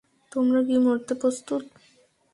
তোমরা কি মরতে প্রস্তুত?